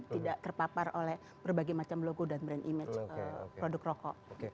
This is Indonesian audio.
tidak terpapar oleh berbagai macam logo dan brand image produk rokok